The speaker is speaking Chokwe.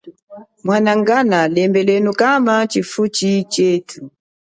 Mianangana lembelenuko kama chifuchi chethu.